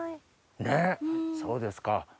ねぇそうですか。